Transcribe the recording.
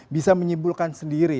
bisa menyimpulkan sendiri